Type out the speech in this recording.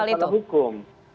adalah di dalam hukum